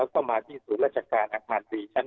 ก็มาที่ศูนย์ราชการอังคาร๔ชั้น๑